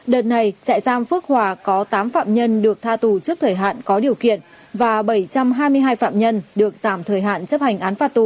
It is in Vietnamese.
đợt này trại giam phước hòa có tám phạm nhân được tha tù trước thời hạn có điều kiện và bảy trăm hai mươi hai phạm nhân được giảm thời hạn chấp hành án phạt tù